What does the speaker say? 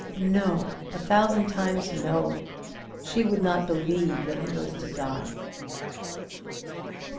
No, a thousand times no; she would not believe that he was to die.